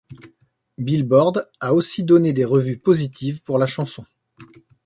Billboard a aussi donné des revues positives pour la chanson.